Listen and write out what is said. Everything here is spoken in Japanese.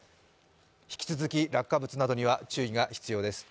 引き続き落下物などには注意が必要です。